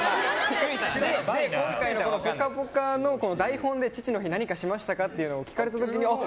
今回、「ぽかぽか」の台本で父の日何かしましたかっていうのを聞かれた時にあっ！